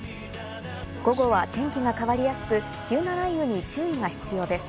午後は天気が変わりやすく、急な雷雨に注意が必要です。